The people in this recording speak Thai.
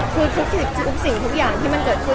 คือทุกสิ่งทุกอย่างที่มันเกิดขึ้น